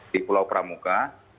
di pulau pramuka